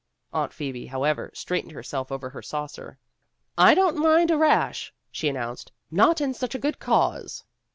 Aunt Phoebe, however, straightened herself over her saucer. "I don't mind a rash," she announced, "not in such a good cause."